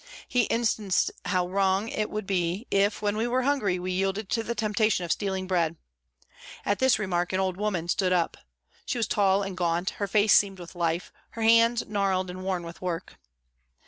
He instanced how wrong it would be if, when we were hungry, we yielded to the temptation of stealing bread. At this remark an old woman stood up. She was tall and gaunt, her face seamed with life, her hands gnarled and worn with work.